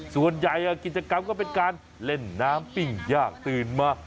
ส่วนใหญ่กิจกรรมก็เป็นการเล่นน้ำปิ้งยากตื่นมา